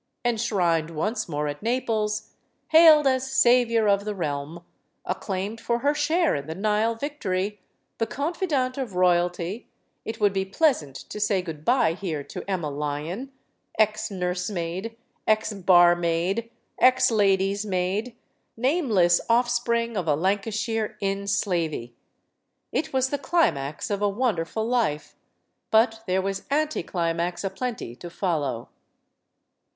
Enshrined once more at Naples, hailed as savior of the realm, acclaimed for her share in the Nile victory, the confidante of royalty it would be pleasant to say good by here to Emma Lyon, ex nursemaid, ex bar 268 STORIES OF THE SUPER WOMEN maid, ex lady's maid, nameless offspring of a Lan cashire inn slavey. It was the climax of a wonderful life. But there was anti climax aplenty to follow.